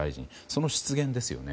その失言ですよね。